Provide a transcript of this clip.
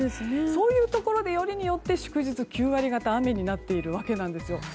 そういうところでよりによって祝日、９割方雨になっているわけです。